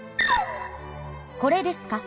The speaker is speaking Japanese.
これですか？